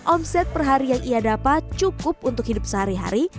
omset per hari yang ia dapat cukup untuk hidup sehari hari